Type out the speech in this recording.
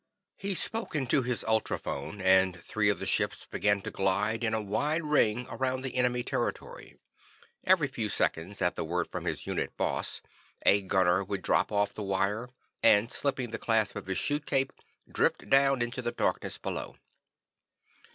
He spoke into his ultrophone, and three of the ships began to glide in a wide ring around the enemy territory. Every few seconds, at the word from his Unit Boss, a gunner would drop off the wire, and slipping the clasp of his chute cape, drift down into the darkness below.